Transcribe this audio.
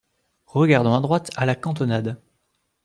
Regardant à droite ; à la cantonade.